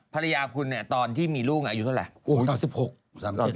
ภรรยาคุณเนี่ยตอนที่มีลูกอายุเท่าไหร่